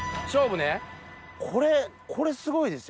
これこれすごいですよ